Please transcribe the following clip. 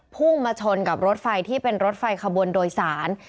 พุ่งมาชนกับรถไฟที่เป็นรถไฟขบวนโดยสาร